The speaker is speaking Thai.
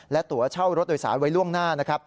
และตัวเช่ารถโดยสารไว้ร่วมหน้า